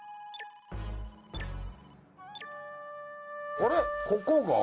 あれここが？